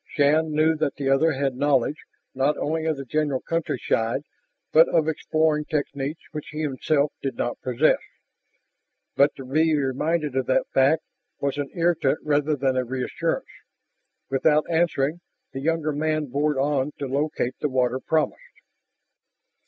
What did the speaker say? Shann knew that the other had knowledge, not only of the general countryside, but of exploring techniques which he himself did not possess, but to be reminded of that fact was an irritant rather than a reassurance. Without answering, the younger man bored on to locate the water promised.